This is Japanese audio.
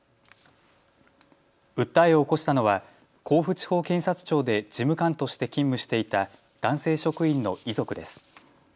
訴えを起こしたのは甲府地方検察庁で事務官として勤務していた男性職員の遺族です。